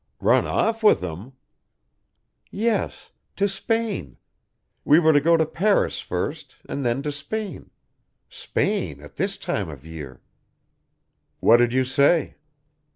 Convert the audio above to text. "Run off with him?" "Yes to Spain. We were to go to Paris first and then to Spain Spain, at this time of year!" "What did you say?"